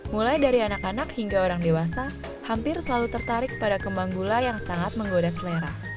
mulai dari anak anak hingga orang dewasa hampir selalu tertarik pada kembang gula yang sangat menggoda selera